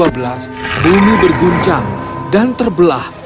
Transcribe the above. bumi berguncang dan terbelah